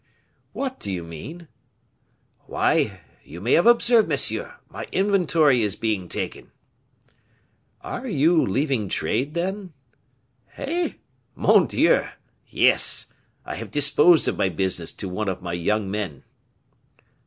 "What do you mean?" "Why, you may have observed, monsieur, my inventory is being taken." "Are you leaving trade, then?" "Eh! mon Dieu! yes. I have disposed of my business to one of my young men."